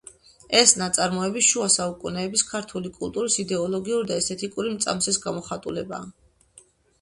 ეს ნაწარმოები შუა საუკუნეების ქართული კულტურის იდეოლოგიური და ესთეტიკური მრწამსის გამოხატულებაა.